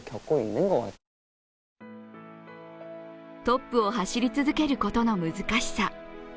トップを走り続けることの難しさ。